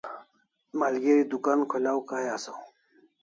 Malgeri dukan kholaw Kai asaw